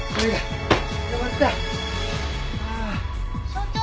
所長！